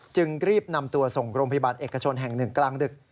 จึงรีบนำตัวส่งโรงพยาบาลเอกชนแห่งหนึ่งกลางดึก